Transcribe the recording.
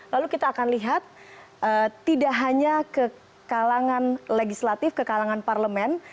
lalu kita akan lihat tidak hanya kekalangan legislatif kekalangan parlemen